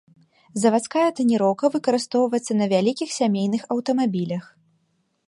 Завадская таніроўка выкарыстоўваецца на вялікіх сямейных аўтамабілях.